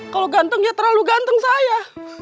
kalau ganteng ya terlalu ganteng saya